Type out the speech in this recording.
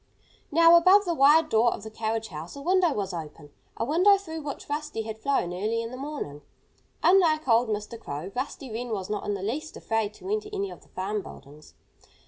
Now, above the wide door of the carriage house a window was open a window through which Rusty had flown early in the morning. Unlike old Mr. Crow, Rusty Wren was not in the least afraid to enter any of the farm buildings.